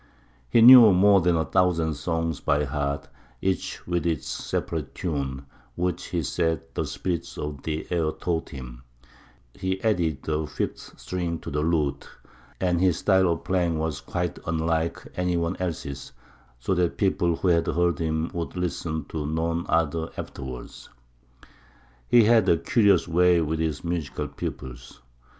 He knew more than a thousand songs by heart, each with its separate tune, which he said the spirits of the air taught him; he added a fifth string to the lute, and his style of playing was quite unlike any one else's, so that people who had heard him would listen to none other afterwards. He had a curious way with his musical pupils.